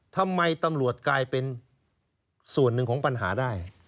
ทำไมตำรวจกลายเป็นส่วนหนึ่งของปัญหาได้